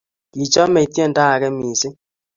kichomei tiendo age mising'